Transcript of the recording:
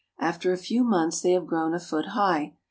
After a few months they have grown a foot high.